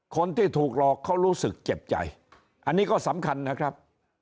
คนที่ถูกหลอกเขารู้สึกเจ็บใจอันนี้ก็สำคัญนะครับ